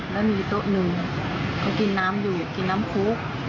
แล้วมีโต๊ะหนึ่งเขากินน้ำอยู่กินน้ำคลุก